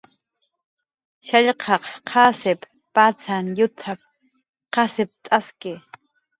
"Shallqaq qasip patzan llutap"" qasipt'aski"